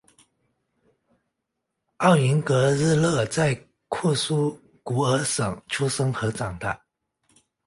奥云格日勒在库苏古尔省出生和长大。